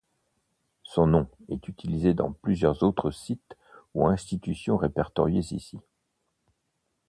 Son nom est utilisé dans plusieurs autres sites ou institutions répertoriés ici.